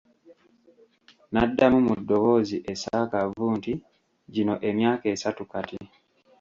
Naddamu mu ddoboozi essaakaavu nti gino emyaka esatu kati.